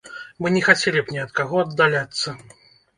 Мы не хацелі б ні ад каго аддаляцца.